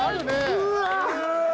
うわ！